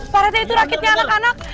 pak rete itu rakitnya anak anak